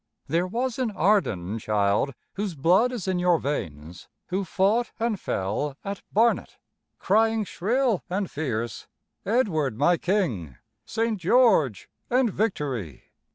"There was an Arden, child, whose blood is in your veins, who fought and fell at Barnet, crying shrill and fierce, 'Edward my King, St. George and victory!'